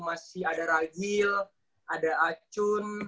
masih ada ragil ada acun